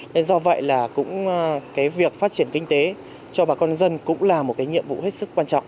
nên do vậy là cũng cái việc phát triển kinh tế cho bà con dân cũng là một cái nhiệm vụ hết sức quan trọng